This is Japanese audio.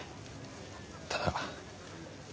ただ。